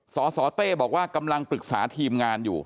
สสเต้บอกว่ากำลังปรึกษาทีมงานอยู่